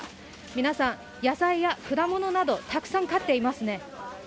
皆さん、野菜や果物などたくさん買っていますね。